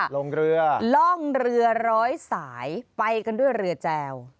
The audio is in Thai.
ลงเรือล่องเรือร้อยสายไปกันด้วยเรือแจว